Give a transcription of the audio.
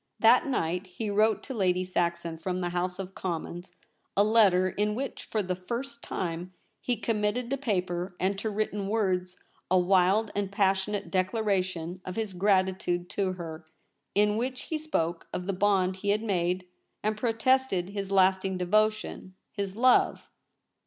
That night he wrote to Lady Saxon from the House of Commons a letter in which for the first time he committed to paper and to written words a wild and passionate declaration of his gratitude to her, in which he spoke of the bond he had made, and protested his lasting devotion — his love.